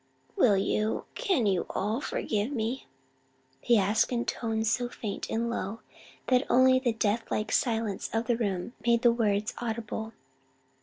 "Will you, can you all forgive me?" he asked in tones so faint and low, that only the death like silence of the room made the words audible.